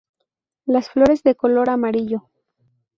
Las flores de color amarillo.